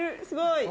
すごい。